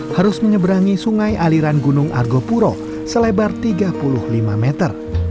harus menyeberangi sungai aliran gunung argopuro selebar tiga puluh lima meter